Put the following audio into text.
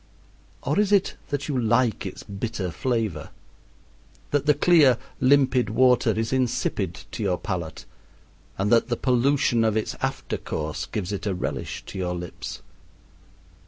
Or is it that you like its bitter flavor that the clear, limpid water is insipid to your palate and that the pollution of its after course gives it a relish to your lips?